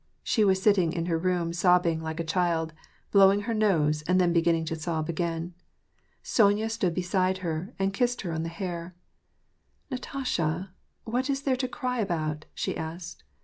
She was sitting in her room, sobbing like a child, blowing her nose, and then beginning to sob again. Sonya stood beside her, and kissed her on the hair. "Natasha, what is there to cry about ?" she asked.